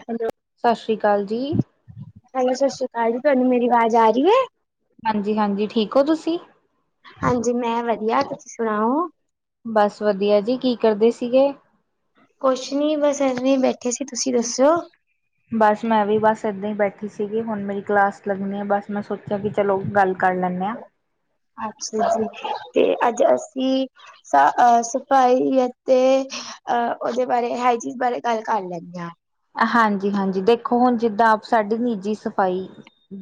[unintelligible] ਸਸ ਸ੍ਰੀ ਕਾਲ ਜੀ। ਹੈਲੋ ਸਸ ਸ੍ਰੀ ਕਾਲ ਜੀ ਤੁਹਾਨੂੰ ਮੇਰੀ ਆਵਾਜ਼ ਆ ਰੀ ਐ। ਹਾਂਜੀ-ਹਾਂਜੀ ਠੀਕ ਹੋ ਤੁਸੀਂ? ਹਾਂਜੀ ਮੈਂ ਵਧੀਆ, ਤੁਸੀਂ ਸੁਣਾਓ। ਬਸ ਵਧੀਆ ਜੀ ਕੀ ਕਰਦੇ ਸੀਗੇ। ਕੁਛ ਨੀ ਬਸ ਇਵੇਂ ਬੈਠੀ ਸੀ ਤੁਸੀਂ ਦੱਸੋ। ਬਸ ਮੈਂ ਵੀ ਬਸ ਇੱਦਾਂ ਹੀ ਬੈਠੀ ਸੀਗੀ ਹੁਣ ਮੇਰੀ ਕਲਾਸ ਲੱਗਨੀ ਬਸ ਮੈਂ ਸੋਚਿਆ ਕਿ ਚਲੋ ਗੱਲ ਕਰ ਲੈਨੇ ਆ। ਅੱਛਾ ਜੀ ਤੇ ਅੱਜ ਅਸੀ ਸਾ ਸਫ਼ਾਈ ਅਤੇ ਆ ਉਦੇ ਬਾਰੇ ਹਾਈਜੀਨ ਬਾਰੇ ਗੱਲ ਲੇਨੇ ਆ। ਹਾਂਜੀ-ਹਾਂਜੀ ਦੇਖੋ ਹੁਣ ਜਿੱਦਾਂ ਆਪ ਸਾਡੀ ਨਿੱਜੀ ਸਫ਼ਾਈ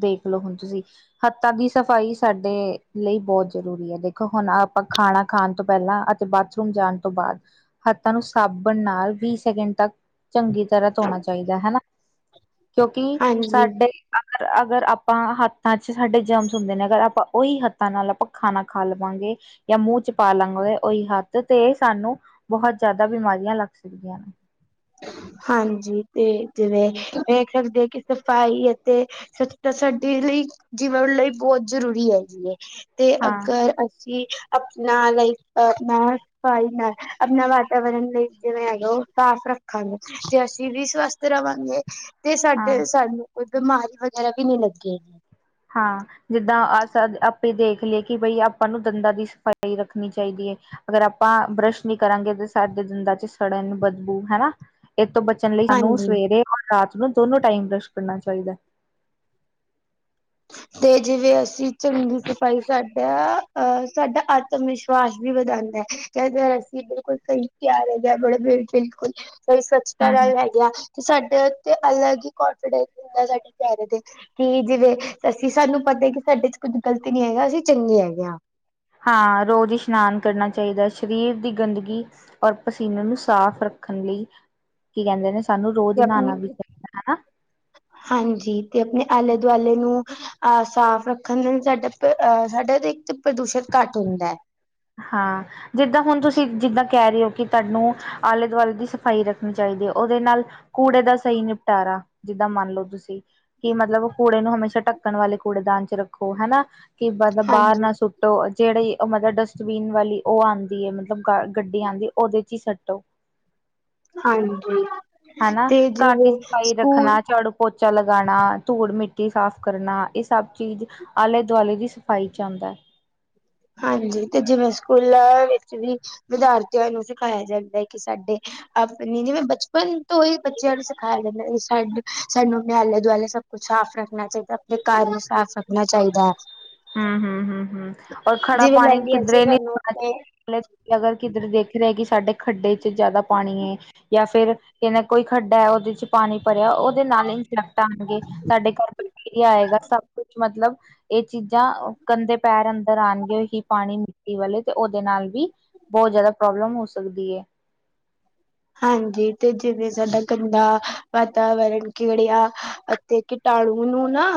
ਦੇਖਲੋ ਹੁਣ ਤੁਸੀਂ ਹੱਥਾਂ ਦੀ ਸਫ਼ਾਈ ਸਾਡੇ ਲਈ ਬੋਤ ਜ਼ਰੂਰੀ ਐ ਦੇਖੋ ਹੁਣ ਆਪਾਂ ਖਾਣਾ ਖਾਣ ਤੋਂ ਪਹਿਲਾਂ ਬਾਥਰੂਮ ਜਾਣ ਤੋਂ ਬਾਦ ਹੱਥਾਂ ਨੂੰ ਸਾਬਨ ਨਾਲ ਵੀਹ ਸੈਕਿੰਡ ਤੱਕ ਚੰਗੀ ਤਰਾ ਧੋਣਾ ਚਾਈਦਾ ਹਨਾ, ਕਿਉਂਕਿ ਹਾਂਜੀ ਸਾਡੇ ਅਗਰ-ਅਗਰ ਆਪਾਂ ਹੱਥਾਂ ਚ ਸਾਡੇ ਜਮਸ ਹੁੰਦੇ ਨੇ ਅਗਰ ਆਪਾਂ ਉਹੀ ਹੱਥਾਂ ਨਾਲ ਆਪਾਂ ਖਾਣਾ ਖਾ ਲਵਾਂਗੇ ਯਾ ਮੂੰਹ ਚ ਪਾ ਲਵਾਂਗੇ ਉਹੀ ਹੱਥ ਤੇ ਸਾਨੂੰ ਬੋਹਤ ਜਾਦਾ ਬਿਮਾਰੀਆਂ ਲੱਗ ਸਕਦੀਆਂ ਨੇ। ਹਾਂਜੀ ਤੇ ਜਿਵੇਂ ਵੇਖ ਸਕਦੇ ਹੋ ਕਿ ਸਫ਼ਾਈ ਅਤੇ ਸਤਾ ਸਾਡੇ ਲਈ ਜੀਵਨ ਲਈ ਬੋਤ ਜ਼ਰੂਰੀ ਹੈਗੀ ਐ। ਤੇ ਹਾਂ, ਅਗਰ ਅਸੀਂ ਆਪਣਾ ਲਾਈਫ ਪਾ [unintelligible] ਆਪਣਾ ਵਾਤਾਵਰਨ ਲਈ ਜਿਵੇਂ ਹੈਗਾ ਸਾਫ਼ ਰੱਖ ਖਾਨੇ ਆ ਤੇ ਅਸੀਂ ਵੀ ਸਵਸਥ ਰਵਾਂਗੇ ਤੇ ਹਾਂ, ਸਾਡੇ ਸਾਨੂੰ ਕੋਈ ਬਿਮਾਰੀ ਵਗੈਰਾ ਵੀ ਨੀ ਲੱਗੇਗੀ। ਹਾਂ ਜਿੱਦਾਂ ਅ ਸ ਆਪੇ ਦੇਖ ਲੇ ਕਿ ਬਈ ਆਪਾਂ ਨੂੰ ਦੰਦਾਂ ਦੀ ਸਫ਼ਾਈ ਰੱਖਣੀ ਚਾਈਦੀ ਐ। ਅਗਰ ਆਪਾਂ ਬਰੱਸ਼ ਨੀ ਕਰਾਂਗੇ ਤਾਂ ਸਾਡੇ ਦੰਦਾਂ ਚ ਸੜਨ, ਬਦਬੂ ਹਨਾ ਇਹ ਤੋਂ ਬ ਲਈ ਸਾਨੂੰ ਹਾਂਜੀ। ਸਵੇਰੇ ਔਰ ਰਾਤ ਨੂੰ ਦੋਨੋ ਟਾਈਮ ਬਰਸ਼ ਕਰਨਾ ਚਾਈਦਾ। ਤੇ ਜਿਵੇਂ ਅਸੀਂ ਚੰਗੀ ਸਫਾਈ ਸਾਡਾ ਅਹ ਸਾਡਾ ਆਤਮ ਵਿਸ਼ਵਾਸ ਵੀ ਵਧਾਉਂਦਾ ਕਿ ਅਸੀਂ ਬਿਲਕੁਲ ਸਈ ਤਿਆਰ ਬੜ ਬਿਲਕੁਲ ਸਈ ਸਵੱਛਤਾ ਹੂੰ, ਹੂੰ। ਨਾਲ ਹੈ ਗੇ ਆ। ਤੇ ਸਾਡੇ ਉਤੇ ਅਲੱਗ ਹੀ ਕਨਫੀਡੈਂਸ ਹੁੰਦਾ ਸਾਡੇ ਚੇਰੇ ਤੇ ਕਿ ਜਿਵੇਂ ਅਸੀਂ ਸਾਨੂੰ ਪਤਾ ਐ ਕਿ ਸਾਡੇ ਚ ਕੁੱਝ ਗਲਤ ਨੀ ਹੈਗਾ ਅਸੀਂ ਚੰਗੇ ਹੈਗੇ ਆ। ਹਾਂ ਰੋਜ਼ ਇਸ਼ਨਾਨ ਕਰਨਾ ਚਾਈਦਾ ਸ਼ਰੀਰ ਦੀ ਗੰਦਗੀ ਔਰ ਪਸੀਨੇ ਨੂੰ ਸਾਫ਼ ਰੱਖਣ ਲਈ ਕੀ ਕੈਂਦੇ ਨੇ ਸਾਨੂੰ ਰੋਜ਼ ਕੀ ਆਪਣੀ ਨਹਾਣਾ ਵੀ ਚਾਹੀਦਾ ਹਨਾ। ਹਾਂਜੀ ਤੇ ਆਪਣੇ ਆਲੇ ਦੁਆਲੇ ਨੂੰ ਅ ਸਾਫ਼ ਰੱਖਣ ਦੇ ਸਾਡਾ ਐ ਸਾਡਾ ਇਕ ਤੇ ਪ੍ਰਦੂਸ਼ਣ ਘੱਟ ਹੁੰਦੈ ਹਾਂ ਜਿੱਦਾਂ ਹੁਣ ਤੁਸੀਂ ਜਿੱਦਾਂ ਕੈ ਰੇ ਓ ਕੀ ਤੁਹਾਨੂੰ ਆਲੇ-ਦੁਆਲੇ ਦੀ ਸਫ਼ਾਈ ਰੱਖਣੀ ਚਾਈਦੀ ਐ ਓਦੇ ਨਾਲ ਕੂੜੇ ਦਾ ਸਈ ਨਿਪਟਾਰਾ ਜਿੱਦਾਂ ਮੰਨਲੋ ਤੁਸੀਂ ਕੀ ਮਤਲਬ ਕੂੜੇ ਨੂੰ ਹਮੇਸ਼ਾ ਢੱਕਣ ਵਾਲੇ ਕੂੜੇਦਾਨ ਚ ਰੱਖੋ ਹਨਾ ਕੀ ਮਤਲਬ ਬਾਰ ਹਾਂਜੀ ਨਾ ਸੁੱਟੋ ਜੇੜੀ ਓ ਮਤਲਬ ਡਸਟਬਿਨ ਵਾਲੀ ਓ ਆਂਦੀ ਐ ਮਤਲਬ ਗੱਡੀ ਆਂਦੀ ਓਦੇ ਚ ਈ ਸੱਟੋ। ਹਾਂਜੀ ਹਨਾ ਤੇ ਘਰ ਜਿਵੇਂ ਦੀ ਸਫ਼ਾਈ ਸਕੂਲ ਰੱਖਣਾ ਝਾੜੂ ਪੋਚਾ ਲਗਾਣਾ ਧੂੜ-ਮਿੱਟੀ ਸਾਫ ਕਰਨਾ ਏ ਸਭ ਚੀਜ਼ ਆਲੇ-ਦੁਆਲੇ ਦੀ ਸਫ਼ਾਈ ਚ ਆਂਦੈ। ਹਾਂਜੀ ਤੇ ਜਿਵੇਂ ਸਕੂਲਾਂ ਵਿੱਚ ਵੀ ਵਿਦਿਆਰਥੀਆਂ ਨੂੰ ਸਿਖਾਇਆ ਜਾਂਦੈ ਕੀ ਸਾਡੇ ਆਪਣੀ ਨਾਂ ਬਚਪਨ ਤੋਂ ਹੀ ਬੱਚਿਆਂ ਨੂੰ ਸਿਖਾਇਆ ਜਾਂਦਾ ਸਾਡੇ ਸਾਨੂੰ [unintelligible] ਦੁਆਲੇ ਸਭ ਕ ਸਾਫ਼ ਰੱਖਣਾ ਚਾਈਦੈ ਆਪਣੇ ਘਰ ਨੂੰ ਸਾਫ਼ ਰੱਖਣਾ ਚਾਈਦੈ। ਹੂੰ-ਹੂੰ-ਹੂੰ-ਹੂੰ ਔਰ ਖੜਾ ਜਿਵੇਂ ਲੈ ਪਾਣੀ ਲਈਏ ਅਸੀਂ ਕਿੱਧਰੇ ਨੀ [inaudible] ਸਾਨੂੰ ਆਪਣੇ ਅਗਰ ਕਿਧਰੇ ਦਿੱਖ ਰਿਆ ਕੀ ਸਾਡੇ ਖੱਡੇ ਚ ਜਾਦਾ ਪਾਣੀ ਏ ਯਾਂ ਫੇਰ [unintelligible] ਕੋਈ ਖੱਡਾ ਐ ਓਦੇ ਚ ਪਾਣੀ ਭਰਿਆ ਓਦੇ ਨਾਲ ਇੰਸੈਕਟ ਆਣਗੇ ਸਾਡੇ ਘਰ ਬੈਕਟੀਰੀਆ ਆਏਗਾ ਸਭ ਕੁਛ ਮਤਲਬ ਇਹ ਚੀਜ਼ਾਂ ਗੰਦੇ ਪੈਰ ਅੰਦਰ ਆਣਗੇ ਏਹੀ ਪਾਣੀ ਮਿੱਟੀ ਵਾਲੇ ਤੇ ਓਦੇ ਨਾਲ ਵੀ ਬੋ ਜਾਦਾ ਪ੍ਰੋਬਲਮ ਹੋ ਸਕਦੀ ਐ। ਹਾਂਜੀ ਤੇ ਜਿਵੇਂ ਸਾਡਾ ਗੰਦਾ ਵਾਤਾਵਰਨ ਕੀੜਿਆ ਅਤੇ ਕੀਟਾਣੂ ਨੂੰ ਨਾ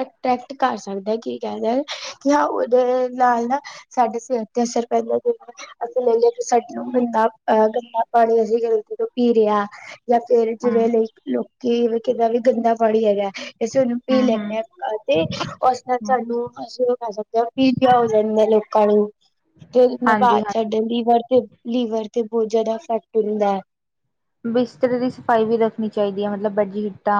ਅਟਰ੍ਰੈਕਟ ਕਰ ਸਕਦਾ ਕੀ ਕੈਂਦੇ ਕੀ ਹਾਂ ਉਦੇ ਨਾਲ ਨਾ ਸਾਡੇ ਸੇਤ ਤੇ ਅਸਰ ਪੈਂਦਾ ਜਵੇ ਅਸੀਂ ਲੈ ਲਿਆ ਕਿ ਸਾਡੇ ਗੰਦਾ ਅ ਗੰਦਾ [unintelligible] ਪਾਣੀ ਅਸੀਂ ਗਲਤੀ ਤੋਂ ਪੀ ਰਿਆ ਜਾਂ ਫੇਰ ਹਮ ਜਿਵੇਂ ਲਈ ਲੋਕੀ [unintelligible] ਵੀ ਗੰਦਾ ਪਾਣੀ ਹੈਗਾ ਅਸੀਂ ਓਨੂੰ ਪੀ ਹਮ ਹਮ ਲੈਂਦੇ ਆ ਤੇ ਉਸ ਨਾਲ ਸਾਨੂੰ [inaudible] ਪੀਲੀਆ ਹੋ ਜਾਂਦੈ [inaudible] ਲੀਵਰ ਹਾਂਜੀ ਹਾਂਜੀ ਤੇ ਲੀਵਰ ਤੇ ਬਹੁਤ ਜਿਆਦਾ ਇਫੈਕਟ ਹੁੰਦੈ। ਬਿਸਤਰੇ ਦੀ ਸਫ਼ਾਈ ਵੀ ਰੱਖਣੀ ਚਾਈਦੀਆ ਮਤਲਬ ਬੈਡ ਦੀ ਸ਼ੀਟਾਂ,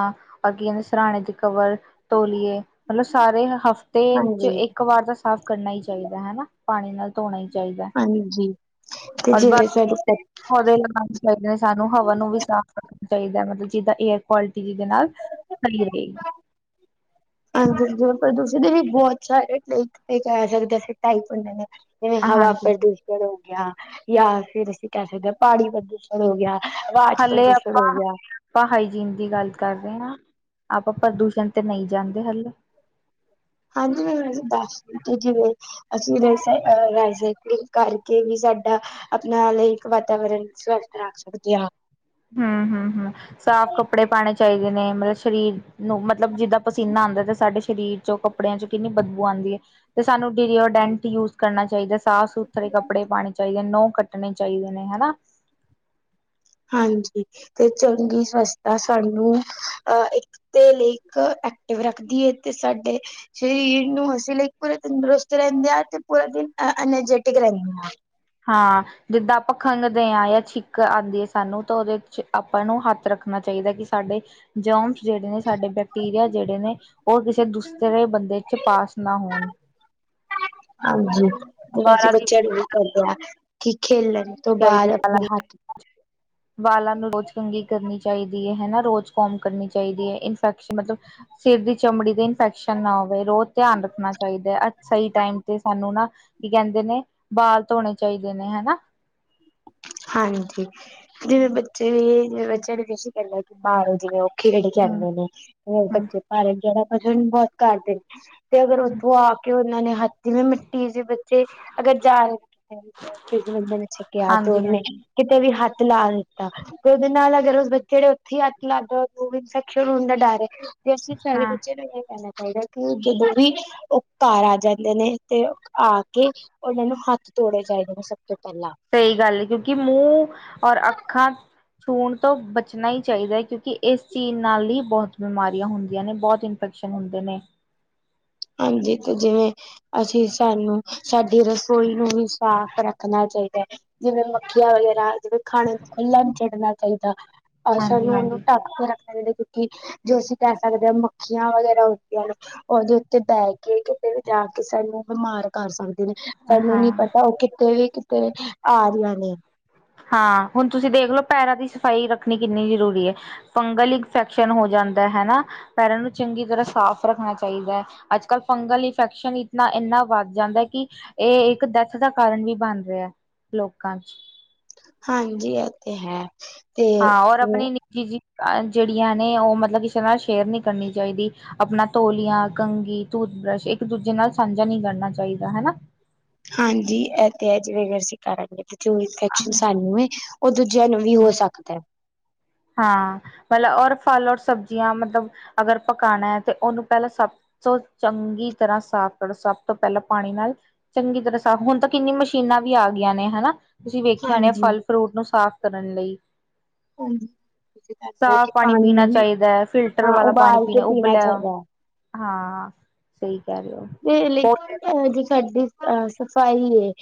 ਓਰ ਕੀ ਕੈਂਦੇ ਸਰਾਣੇ ਦੇ ਕਵਰ ਤੋਲੀਏ ਮਤਲਬ ਸਾਰੇ ਹਫ਼ਤੇ ਚ ਇੱਕ ਹਾਂਜੀ, ਇਕ ਵਾਰ ਤਾਂ ਸਾਫ਼ ਕਰਨਾ ਈ ਚਾਈਦਾ ਹੈਨਾ ਪਾਣੀ ਨਾਲ ਧੋਣਾ ਈ ਚਾਈਦੈ। ਹਾਂਜੀ। ਤੇ [inaudible] ਜਿਵੇਂ ਸਾਡੇ ਪ ਪੌਦੇ ਲਗਾਣੇ ਚਾਈਦੇ ਨੇ ਸਾਨੂੰ ਹਵਾ ਨੂੰ ਵੀ ਸਾਫ਼ [unintelligible] ਚਾਈਦੈ ਮਤਲਬ ਜਿੱਦਾਂ ਏਅਰ ਕੁਆਲਿਟੀ ਜਿਦੇ ਨਾਲ ਸਈ ਰੇ। ਹਾਂਜੀ ਪ੍ਰਦੂਸ਼ਣ ਦੇ ਵੀ ਬੋਹਤ ਸਾਰੇ [inaudible] ਜਿਵੇਂ ਹਵਾ ਹਾਂਜੀ ਪ੍ਰਦੂਸ਼ਣ ਹੋ ਗਿਆ, ਯਾਂ ਫੇਰ ਅਸੀਂ ਕੈ ਸਕਦੇ ਪਾੜੀ ਪ੍ਰਦੂਸ਼ਣ ਹੋ ਗਿਆ ਰਾਜ ਹਾਲੇ ਪ੍ਰਦੂਸ਼ਣ ਆਪਾਂ ਹੋ ਗਿਆ ਆਪਾਂ ਹਾਈਜੀਨ ਦੀ ਗੱਲ ਕਰ ਰਿਆ ਆਪਾਂ ਪ੍ਰਦੂਸ਼ਣ ਤੇ ਨਈ ਜਾਂਦੇ ਹਲੇ। ਹਾਂਜੀ ਮੈ ਦੱਸ [unintelligible] ਅਸੀਂ ਰਸ ਰਾਈਸਾਈਕਲਿੰਗ ਕਰਕੇ ਵੀ ਸਾਡਾ ਆਪਣਾ ਲਈ ਇੱਕ ਵਾਤਾਵਰਨ ਸਵੱਸਥ ਰੱਖ ਸਕਦੇ ਆ। ਹੂੰ-ਹੂੰ-ਹੂੰ ਸਾਫ਼ ਕੱਪੜੇ ਪਾਣੇ ਚਾਈਦੇ ਨੇ ਮਤਲਬ ਸਰੀਰ ਨੂੰ ਮਤਲਬ ਜਿੱਦਾਂ ਪਸੀਨਾ ਆਂਦਾ ਤੇ ਸਾਡੇ ਸਰੀਰ ਚ ਕ ਕੱਪੜਿਆਂ 'ਚ ਕਿੰਨੀ ਬਦਬੂ ਆਂਦੀ ਏ 'ਤੇ ਸਾਨੂੰ ਡੀਓਡੈਂਟ ਯੂਜ ਕਰਨਾ ਚਾਈਦਾ ਸਾਫ਼ ਸੁਥਰੇ ਕੱਪੜੇ ਪਾਣੇ ਚਾਈਦੇ ਨੇ, ਨੋਅ ਕੱਟਣੇ ਚਾਈਦੇ ਨੇ ਹਨਾ। ਹਾਂਜੀ 'ਤੇ ਚੰਗੀ ਸਵਸਥਤਾ ਸਾਨੂੰ ਅ ਈ ਤੇ ਲਈ ਇੱਕ ਐਕਟਿਵ ਰੱਖਦੀ ਏ 'ਤੇ ਸਾਡੇ ਸ਼ਰੀਰ ਨੂੰ ਅਸੀ ਲਈ ਪੂਰਾ ਤੰਦਰੁਸਤ ਰੈਂਦੇ ਆ 'ਤੇ ਪੂਰਾ ਦਿਨ ਐ ਐਨਾਜੈਟਿਕ ਰੈਨੇ ਆ। ਹਾਂ। ਜਿੱਦਾਂ ਆਪਾਂ ਖੰਘਦੇ ਆ ਜਾਂ ਛਿੱਕ ਆਂਦੀ ਏ ਸਾਨੂੰ ਤਾਂ ਉਦੇ 'ਚ ਆਪਾਂ ਨੂੰ ਹੱਥ ਰੱਖਣਾ ਚਾਈਦਾ ਕਿ ਸਾਡੇ ਜਮਸ ਜੇੜੇ ਨੇ ਸਾਡੇ, ਬੈਕਟੀਰੀਆ ਜੇੜੇ ਨੇ ਓ ਕਿਸੇ ਦੂਸਰੇ ਬੰਦੇ 'ਚ ਪਾਸ ਨਾ ਹੋਣ। ਹਾਂਜੀ ਏ ਅਸੀਂ ਬਾਰਾਂ ਦੀ ਬੱਚਿਆਂ ਨੂੰ ਵੀ ਖਾਣੀ ਕੈਂਦੇ ਆ ਕਿ ਖੇਲਣ। ਤੋਂ [inaudible] ਬਾਅਦ ਆਪਣੇ ਹੱਥ ਵਾਲਾਂ ਨੂੰ ਰੋਜ਼ ਕੰਘੀ ਕਰਨੀ ਚਾਈਦੀ ਏ ਹਨਾ, ਰੋਜ਼ ਕੌਮ ਕਰਨੇ ਚਾਈਦੀ ਏ ਇਨ ਫੈਕਸ ਮਤਲਬ ਸਿਰ ਦੀ ਚਮੜੀ 'ਤੇ ਇਨਫੈਕਸ਼ਨ ਨਾ ਹੋਵੇ ਰੋਜ਼ ਧਿਆਨ ਰੱਖਣਾ ਚਾਈਦੈ ਅ ਸਈ ਟਾਈਮ 'ਤੇ ਸਾਨੂੰ ਨਾ ਕੀ ਕੈਂਦੇ ਨੇ ਬਾਲ ਧੋਣੇ ਚਾਈਦੇ ਨੇ ਹਨਾ। ਹਾਂਜੀ ਜਿਵੇਂ ਬੱਚੇ ਵੀ ਜਿਵੇਂ ਬੱਚਿਆਂ ਨੂੰ ਅਸੀਂ ਕੈਂਨੇ ਆ ਕੀ ਬਾਰੋਂ ਜਿਵੇਂ ਓ ਖੇਡ ਕੇ ਹਮ ਆਂਦੇ ਨੇ ਓ ਹਮ ਬੱਚੇ ਭਾਰਨ ਜੋ ਐ ਨਾ ਭਜਣ ਬੋਤ ਕਰਦੇ ਨੇ 'ਤੇ ਅਗਰ ਉੱਥੋਂ ਆ ਕੇ ਉਨਾਂ ਨੇ ਹੱਥੀ ਜੋ ਮਿੱਟੀ ਜੇ ਵਿ ਚੇ ਅਗਰ ਜਾ ਰੇ ਨੇ ਜਾ ਕ੍ਰਿਸਮਸ ਦੇ ਛੱਕੇ ਹੱਥ ਹਾਂਜੀ ਹਾਂਜੀ ਕਿਤੇ ਵੀ ਹੱਥ ਲਾ ਦਿੱਤਾ। 'ਤੇ ਉਦੇ ਨਾਲ ਅਗਰ ਉਸ ਬੱਚੇ ਨੇ ਉੱਥੇ ਈ ਹੱਥ ਲਾਗੇ ਦੋ ਵੀ ਇਨਫੈਕਸ਼ਨ ਹੁੰਦਾ ਡਰ ਏ। ਤੇ ਅਸੀਂ ਸਾਰੇ ਹਾਂ ਬੱਚਿਆਂ ਨੂੰ ਏ ਕੈਂਨਾ ਚਾਈਦਾ ਕਿ ਜਦੋਂ ਵੀ ਓ ਘਰ ਆ ਜਾਂਦੇ ਨੇ 'ਤੇ ਆ ਕੇ ਉਨਾਂ ਨੂੰ ਹੱਥ ਧੋਣੇ ਚਾਈਦੇ ਨੇ ਸਭ ਤੋਂ ਪੈਲਾਂ। ਸਈ ਗੱਲ ਕਿਉਂਕਿ ਮੂੰ ਔਰ ਅੱਖਾਂ ਛੂਣ ਤੋਂ ਬਚਣਾ ਈ ਚਾਈਦਾ ਐ ਕਿਉਂਕਿ ਏਸ ਚੀਜ਼ ਨਾਲ ਈ ਬਹੁਤ ਬਿਮਾਰੀਆਂ ਹੁੰਦੀਆਂ ਨੇ ਬੋਤ ਇਨ ਫੈਕਸ਼ਨ ਹੁੰਦੇ ਨੇ। ਹਾਂਜੀ 'ਤੇ ਜਿਵੇਂ ਅਸੀਂ ਸਾਨੂੰ ਸਾਡੀ ਰਸੋਈ ਨੂੰ ਵੀ ਸਾਫ਼ ਰੱਖਣਾ ਚਾਈਦਾ ਐ। ਜਿਵੇਂ ਮੱਖੀਆਂ ਵਗੈਰਾ ਜਿਵੇਂ ਖਾਣੇ ਨੂੰ ਖੁੱਲਾ ਨੀ ਛੱੜਣਾ ਚਾਈਦਾ। ਅਹ ਹਾਂਜੀ ਸਾਨੂੰ ਉਨੂੰ ਹਾਂਜੀ ਢੱਕ ਕੇ ਰੱ ਐਵੇਂ ਦੇ ਕਿਉਂਕਿ ਜੋ ਅਸੀਂ ਕਰ ਸਕਦੇ ਆ ਮੱਖੀਆਂ ਵਗੈਰਾ ਹੁੰਦੀਆਂ ਨੇ ਉਦੇ 'ਤੇ ਬੈ ਕੇ ਕਿਤੇ ਵੀ ਜਾ ਕੇ ਸਾਨੂੰ ਬਿਮਾਰ ਕਰ ਸਕਦੇ ਨੇ ਸਾਨੂੰ ਨੀ ਹਾਂ ਪਤਾ ਓ ਕਿਤੇ ਵੀ ਕਿ ਤੇ ਆਰੀ ਆ ਨੇ। ਹਾਂ ਹੁਣ ਤੁਸੀਂ ਦੇਖ ਲੋ ਪੈਰਾਂ ਦੀ ਸਫ਼ਾਈ ਰੱਖਣੀ ਕਿੰਨੀ ਜ਼ਰੂਰੀ ਐ। ਫੰਗਲ ਇਨਫੈਕਸ਼ਨ ਹੋ ਜਾਂਦਾ ਹੈਨਾ ਪੈਰਾਂ ਨੂੰ ਚੰਗੀ ਤਰਾਂ ਸਾਫ਼ ਰੱਖਣਾ ਚਾਈਦਾ ਐ। ਅੱਜ-ਕੱਲ ਫੰਗਲ ਇਨਫੈਕਸ਼ਨ ਇਤਨਾ ਏਨਾ ਵੱਧ ਜਾਂਦਾ ਕਿ ਏ ਇੱਕ ਡੈਥ ਦਾ ਕਾਰਨ ਵੀ ਬਣ ਰੇ ਐ ਲੋਕਾਂ ਵਿਚ। ਹਾਂਜੀ ਐ 'ਤੇ ਹੈ। ਤੇ ਹਾਂ ਔਰ ਆਪਣੀ ਨਿੱਜੀ ਜੀ ਜੇੜੀਆਂ ਨੇ ਓ ਮਤਲਬ ਕਿਸੇ ਨਾਲ ਸ਼ੇਅਰ ਨੀ ਕਰਨੀ ਚਾਈਦੀ। ਆਪਣਾ ਤੋਲੀਆਂ, ਕੰਘੀ, ਟੂਥਬ੍ਰੱਸ਼ ਇੱਕ-ਦੂਜੇ ਨਾਲ ਸਾਂਝਾ ਨੀ ਕਰਨਾ ਚਾਈਦਾ ਹਨਾ। ਹਾਂਜੀ ਐ 'ਤੇ ਹੈ ਜਿਵੇਂ ਵੀ ਅਸੀਂ ਕਰਾਂਗੇ 'ਤੇ ਜੋ ਇਨਫੈਕਸ਼ਨ ਹਨਾ ਸਾਨੂੰ ਏ ਓ ਦੂਜਿਆਂ ਨੂੰ ਵੀ ਹੋ ਸਕਦੈ। ਹਾਂ ਪੇਲਾ ਔਰ ਫਲ ਔਰ ਸਬਜ਼ੀਆਂ ਮਤਲਬ ਅਗਰ ਪਕਾਨਾ ਐ 'ਤੇ ਉਨੂੰ ਪਹਿਲਾਂ ਸਭ ਸੋ ਚੰਗੀ ਤਰਾਂ ਸਾਫ਼ ਕਰੋ ਸਭ ਤੋਂ ਪੇਲਾਂ ਪਾਣੀ ਨਾਲ। ਚੰਗੀ ਤਰ੍ਹਾਂ ਸਾਫ, ਹੁਣ ਤਾਂ ਕਿੰਨੀ ਮਸ਼ੀਨਾਂ ਵੀ ਆ ਗੀਆਂ ਨੇ ਹਨਾ। ਤੁਸੀਂ ਵੇਖਿਆ ਹੋਣੇ ਹਾਂਜੀ। ਫ਼ਲ ਫਰੂਟ ਨੂੰ ਸਾਫ਼ ਕਰਨ ਲਈ। ਹਾਂਜੀ। ਤੁਸੀਂ ਕਹਿੰਦੇ ਆ ਸਾਫ਼ ਕਿ ਪਾਨੀ ਪਾਣੀ ਨੂੰ ਪੀਣਾ ਵੀ ਚਾਹੀਦਾ ਐ, ਫਿਲਟਰ ਹਾਂ ਵਾਲਾ ਪਾਨੀ ਉਬਾਲ ਕੇ ਪੀਣਾ ਉਬਲਿਆ ਹੋਇਆ ਚਾਹੀਦਾ ਹੈ। ਹਾਂ, ਸਹੀ ਕਹਿ ਰੇ ਔ। ਤੇ ਲੇਕਿਨ ਅ ਜੇ ਸਾਡੀ ਸਫ਼ਾਈ ਏ,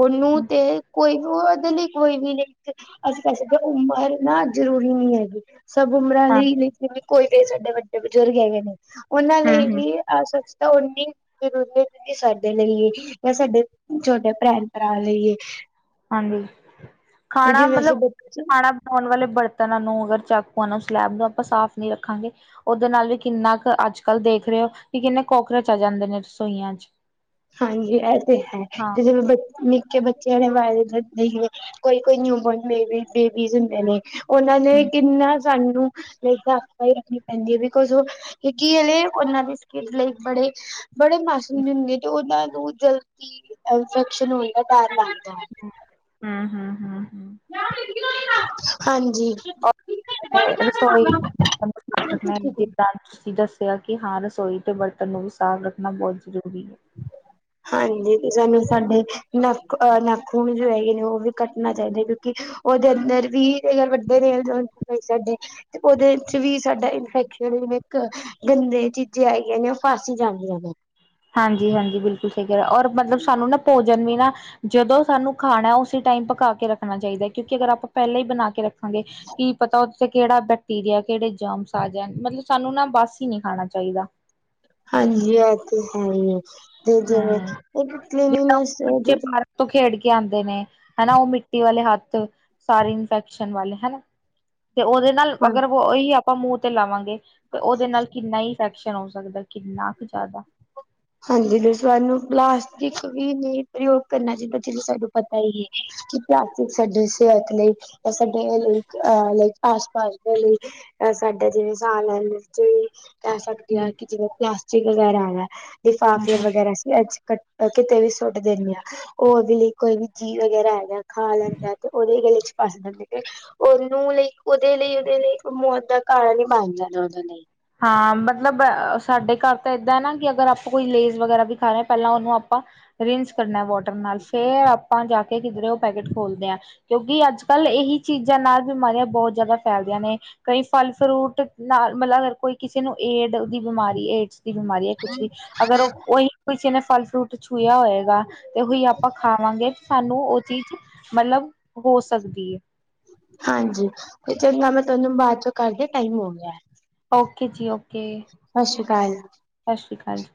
ਉਹਨੂੰ ਤੇ ਕੋਈ ਉਹਦੇ ਲਈ ਕੋਈ ਵੀ ਨਹੀਂ ਤੇ ਅਸੀਂ ਕਹਿ ਸਕਦੇ ਉਮਰ ਨਾ ਜ਼ਰੂਰੀ ਨੀ ਹੈਗੀ। ਸਭ ਉਮਰਾਂ ਹਾਂ ਲਈ [unintelligible] ਕੋਈ ਨੀ ਸਾਡੇ ਵੱਡੇ ਬਜ਼ੁਰਗ ਹੈਗੇ ਨੇ, ਉਹਨਾਂ ਹੂੰ ਲਈ ਹੂੰ ਵੀ ਆ ਸ਼ਖਸ਼ ਤਾਂ ਉਹ ਨੀ ਫੇਰ ਔਨੇ ਏਹ ਸਾਡੇ ਲਈ ਏ, ਯਾ ਸਾਡੇ ਛੋਟੇ ਭੈਣ -ਭਰਾ ਲਈ ਏ ਹਾਂਜੀ ਤੇ ਖਾਣਾਂ, ਜਿਵੇਂ ਅਸੀਂ ਮਤਲਬ ਬੱਚੇ ਖਾਣਾਂ ਧੋਣ ਵਾਲੇ ਬਰਤਨਾਂ ਨੂੰ, ਅਗਰ ਚਾਕੂਆ ਨੂੰ, ਸਲੈਬ ਨੂੰ ਆਪਾਂ ਸਾਫ਼ ਨੀਂ ਰੱਖਾਂਗੇ। ਔਹਦੇ ਨਾਲ ਵੀ ਕਿੰਨਾ ਕੁ ਅੱਜ ਕੱਲ ਦੇਖ ਰਹੇ ਔ, ਕਿ ਕਿੰਨੇਂ ਕੋਕਰਚ ਆ ਜਾਂਦੇ ਨੇ ਰਸੋਈਆਂ ਚ। ਹਾਂਜੀ ਐਹ ਤੇ ਹੈ, ਹਾਂ ਤੇ ਜਿਵੇਂ ਬ ਨਿੱਕੇ ਬੱਚਿਆਂ [unintelligible] ਕੋਈ- ਕੋਈ ਨਿਊ ਬੋਰਨ ਬੇਬੀ ਬੇਬੀਜ਼ ਹੁੰਦੇ ਨੇ। ਉਹਨਾਂ ਨੇ ਹਮ ਕਿੰਨਾਂ ਸਾਂਨੂੰ ਸਾਫ ਸਫ਼ਾਈ ਰੱਖਣੀ ਪੈਂਦੀ ਐ, ਬਿਕੋਜ ਔਹ ਕਿਉ ਕਿ ਓਲੇ ਉਹਨਾਂ ਦੀ ਸਕਿਨਜ ਲਈ ਬੜੇ- ਬੜੇ ਮਾਸੂਮ ਜੇ ਹੁੰਦੇ ਤੇ ਉਹਨਾਂ ਨੂੰ ਜਲਦੀ ਇਨਫੈਕਸ਼ਨ ਹੋਣ ਦਾ ਡਰ ਲੱਗਦਾ। ਹੂੰ, ਹੂੰ, ਹੂੰ, ਹੂੰ। ਹਾਂਜੀ। ਆਪਣੀ ਰਸੋਈ [unintelligible] ਜਿੱਦਾਂ ਤੁਸੀਂ ਦੱਸੋ ਹਾਂ ਕਿ ਰਸੋਈ ਤੇ ਬਰਤਨ ਨੂੰ ਵੀ ਸਾਫ਼ ਰੱਖਣਾਂ ਬਹੁਤ ਜ਼ਰੂਰੀ ਏ। ਹਾਂਜੀ ਤੇ ਸਾਨੂੰ ਸਾਡੇ ਨੱਖਹ ਨਖੂਣ ਜੋ ਹੈਗੇ ਨੇ ਉਹ ਵੀ ਕੱਟਣੇ ਚਾਹੀਦੇ ਕਿਉਂਕਿ ਉਹਦੇ ਅੰਦਰ ਵੀ, ਅਗਰ ਵੱਡੇ ਨੈਲਸ ਹੋਣ ਓਵੀ ਸਾਡੇ ਤੇ ਉਹਦੇ ਵਿਚ ਵੀ ਸਾਡਾ ਇਨਫੈਕਸ਼ਨ ਜਿਵੇ ਇੱਕ ਗੰਦੇ ਚੀਜ਼ਾਂ ਹੈਗੀਆਂ ਨੇ ਔਹ ਫਸ ਜਾਂਦੀਆਂ ਨੇ। ਹਾਂਜੀ-ਹਾਂਜੀ ਬਿਲਕੁਲ ਸਹੀ ਕਿਹ ਰੇ, ਔਰ ਮਤਲਬ ਸਾਂਨੂੰ ਨਾ ਭੋਜਨ ਵੀ ਨਾ ਜਦੋਂ ਸਾਨੂੰ ਖਾਣਾਂ ਉਸੇ ਟਾਇਮ ਪਕਾ ਕੇ ਰੱਖਣਾ ਚਾਹੀਂਦਾ, ਕਿਉਂਕਿ ਅਗਰ ਆਪਾਂ ਪਹਿਲਾਂ ਹੀ ਬਣਾਂ ਕੇ ਰੱਖਾਂਗੇ ਕੀ ਪਤਾ ਕਿਹੜਾ ਬੈਕਟੀਰੀਆ ਕਿਹੜੇ ਜਮਸ ਆ ਜਾਣ, ਮਤਲਬ ਸਾਨੂੰ ਨਾ ਬਾਸੀ ਨੀਂ ਖਾਣਾਂ ਚਾਹੀਂਦਾ। ਹਾਂਜੀ ਓ ਤੇ ਹੈ ਈ ਏਂ, ਤੇ ਜਿਵੇ ਹਮ ਇੱਕ ਜਿੱਦਾਂ ਕਲੀਨੈਸ ਬੱਚੇ ਔਹਦੇ ਪਾਰਕ ਤੋਂ ਖੇਡ ਕੇ ਆਂਦੇ ਨੇ ਹਨਾ ਉਹ ਮਿੱਟੀ ਵਾਲ਼ੇ ਹੱਥ, ਸਾਰੇ ਇਨਫੈਕਸ਼ਨ ਵਾਲ਼ੇ ਹਨਾ। ਤੇ ਔਹਦੇ ਨਾਲ ਹਾਂ ਅਗਰ ਉਹੀ ਆਪਾਂ ਮੂੰਹ ਤੇ ਲਾਵਾਂਗੇ ਤੇ ਔਹਦੇ ਨਾਲ ਕਿੰਨਾ ਈ ਇਨਫੈਕਸ਼ਨ ਹੋ ਸਕਦਾ ਕਿੰਨਾਂ ਕ ਜ਼ਿਆਦਾ। ਹਾਂਜੀ ਤੇ ਸਾਨੂੰ ਪਲਾਸਟਿਕ ਵੀ ਨਹੀਂ ਪ੍ਰਯੋਗ ਕਰਨਾਂ ਚਾਹੀਂਦਾ, ਜਿਵੇਂ ਸਾਂਨੂੰ ਪਤਾਂ ਈ ਏ। ਕਿ ਪਲਾਸਟਿਕ ਸਾਡੀ ਸਿਹਤ ਲਈ ਜਾਂ, ਸਾਡੇ ਲ ਅਹ ਲਾਈਕ ਆਸ- ਪਾਸ ਕੋਈ ਐ ਸਾਡਾ ਜਿਵੇਂ ਸਾਹ ਲੈਣ ਵਿੱਚ ਵੀ ਕਹਿ ਸਕਦੇ ਹਮ ਆ ਕਿ ਜਿਵੇਂ [unintelligible] ਵਗੈਰਾ ਲਿਫਾਫੇ ਹਮ ਵਗੈਰਾ ਅਸੀ ਐਚ ਕਿਤੇ ਵੀ ਸੁੱਟ ਦਿੰਨੇ ਆ। ਓ ਓਦੇ ਲਈ ਕੋਈ ਵੀ ਜੀਵ ਵਗੈਰਾ ਹੈਗਾ, ਖਾ ਲੈਂਦਾ ਤੇ ਓਦੇ ਗਲੇ ਚ ਫਸ ਜਾਂਦੇ ਨੇ। ਓਨੂੰ ਲਈ ਓਦੇ ਲਈ ਓਦੇ ਲਈ ਮੌਤ ਦਾ ਕਾਰਨ ਈ ਬਣ ਜਾਦਾ ਓਦੇ ਲਈ। ਹਾਂ ਮਤਲਬ ਸਾਡੇ ਘਰ ਤਾਂ ਏਦਾਂ ਨਾ ਕੀ ਅਗਰ ਆਪਾਂ ਕੋਈ ਲੇਜ ਵਗੈਰਾ ਵੀ ਖਾ ਰੇ ਆ ਪਹਿਲਾਂ ਓਨੂੰ ਆਪਾਂ ਰਿੰਨਸ ਕਰਨਾਂ ਵੋਟਰ ਨਾਲ, ਫੇਰ ਆਪਾਂ ਜਾ ਕੇ ਕਿਧਰੇ ਓ ਪੈਕੇਟ ਖੋਲਦੇ ਆ। ਕਿਉਂਕਿ ਅੱਜ ਕੱਲ ਏਹੀ ਚੀਜ਼ਾਂ ਨਾਲ ਬਿਮਾਰੀਆਂ ਬੋਹਤ ਜਾਦਾ ਫੈਲਦੀਆਂ ਨੇ। ਕਈ ਫ਼ਲ ਫਰੂਟ ਨਾਲ਼ ਮਤਲਬ ਕੋਈ ਕਿਸੇ ਨੂੰ ਏਡ ਦੀ ਬਿਮਾਰੀ ਏਡਸ ਦੀ ਬਿਮਾਰੀ ਐ ਕੁੱਛ ਵੀ ਅਗਰ ਓ ਓਈ ਕਿਸੇ ਨੇ ਫ਼ਲ ਫਰੂਟ ਛੂਇਆ ਹੋਏਗਾ ਤੇ ਓਹੀ ਆਪਾਂ ਖਾਵਾਂਗੇ ਸਾਨੂੰ ਓ ਚੀਜ਼ ਮਤਲਬ ਹੋ ਸਕਦੀ ਏ। ਹਾਂਜੀ ਤੇ ਚੰਗਾ ਮੈਂ ਤੁਹਾਨੂੰ ਬਾਦ ਚੋ ਕਰਦੀ ਆ ਟਾਈਮ ਹੋ ਗਿਆ। ਓਕੇ ਜੀ ਓਕੇ। ਸਸ ਸੀ ਕਾਲ। ਸਸ ਸੀ ਕਾਲ ਜੀ।